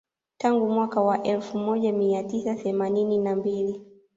Tangu mwaka wa elfu moja mia tisa themanini na mbili